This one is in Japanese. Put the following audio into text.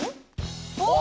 お！